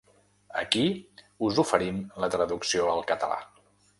Aquí us oferim la traducció al català.